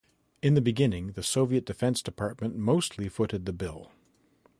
In the beginning, the Soviet Defense Department mostly footed the bill.